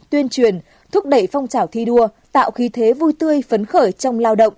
tuyên truyền thúc đẩy phong trào thi đua tạo khí thế vui tươi phấn khởi trong lao động